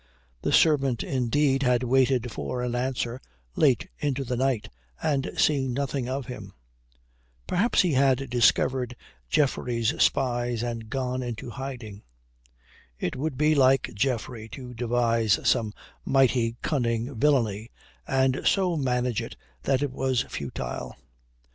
The servant, indeed, had waited for an answer late into the night and seen nothing of him. Perhaps he had discovered Geoffrey's spies and gone into hiding. It would be like Geoffrey to devise some mighty cunning villainy and so manage it that it was futile.